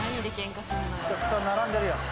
たくさん並んでるやん。